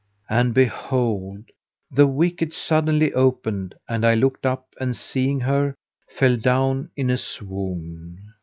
And behold, the wicket suddenly opened and I looked up and seeing her, fell down in a swoon.